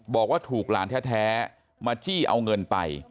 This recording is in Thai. บอกว่าถูกหลานแท้มาจี้เอาเงินไป